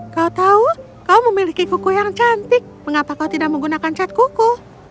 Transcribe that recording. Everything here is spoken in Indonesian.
kau tahu kau memiliki kuku yang cantik mengapa kau tidak menggunakan cat kuku